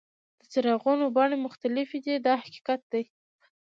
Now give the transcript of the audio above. د څراغونو بڼې مختلفې دي دا حقیقت دی.